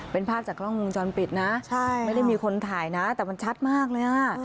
เป็นภาพจากกล้องวงจรปิดนะไม่ได้มีคนถ่ายนะแต่มันชัดมากเลยอ่ะ